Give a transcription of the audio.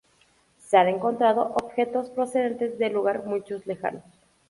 Se han encontrado objetos procedentes de lugar muchos lejanos.